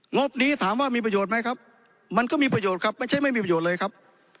บนี้ถามว่ามีประโยชน์ไหมครับมันก็มีประโยชน์ครับไม่ใช่ไม่มีประโยชน์เลยครับ